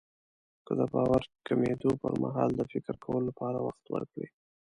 که د باور کمېدو پرمهال د فکر کولو لپاره وخت ورکړئ.